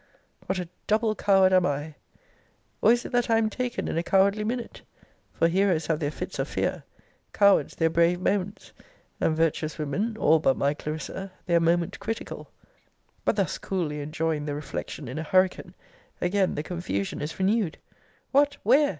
What a double coward am I! Or is it that I am taken in a cowardly minute? for heroes have their fits of fear; cowards their brave moments; and virtuous women, all but my Clarissa, their moment critical But thus coolly enjoying the reflection in a hurricane! Again the confusion is renewed What! Where!